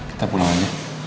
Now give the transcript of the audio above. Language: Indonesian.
kita pulang aja